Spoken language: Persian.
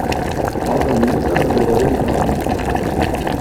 آب را میریزد و دوباره اینکار را میکند